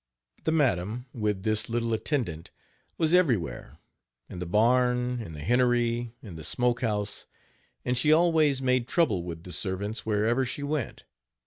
The madam, with this little attendant, was everywhere in the barn, in the hennery, in the smokehouse and she always made trouble with the servants wherever she went.